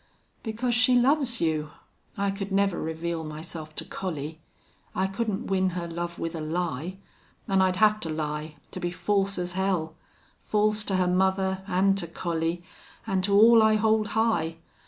"Because she loves you.... I could never reveal myself to Collie. I couldn't win her love with a lie. An' I'd have to lie, to be false as hell.... False to her mother an' to Collie an' to all I hold high!